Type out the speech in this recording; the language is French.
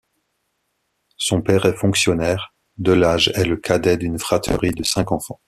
Son père est fonctionnaire, Delage est le cadet d’une fratrie de cinq enfants.